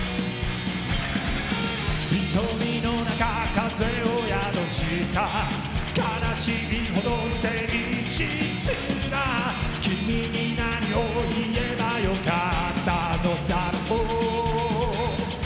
瞳の中風を宿した悲しいほど誠実な君に何をいえばよかったのだろう